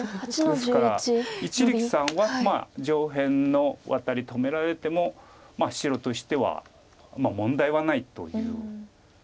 ですから一力さんは上辺のワタリ止められても白としては問題はないという。